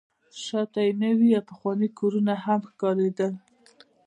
شاته یې نوي او پخواني کورونه هم ښکارېدل.